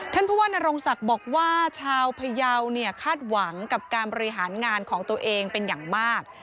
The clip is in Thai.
ผู้ว่านโรงศักดิ์บอกว่าชาวพยาวเนี่ยคาดหวังกับการบริหารงานของตัวเองเป็นอย่างมาก